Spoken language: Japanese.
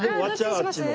あっちも。